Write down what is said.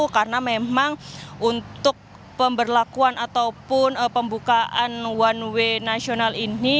karena memang untuk pemberlakuan ataupun pembukaan one way nasional ini